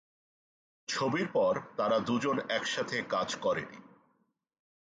ছবির পর তার দুজন একসাথে কাজ করে নি।